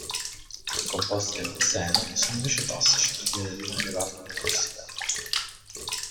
I composti dello xeno sono invece tossici per via del loro elevato potere ossidante.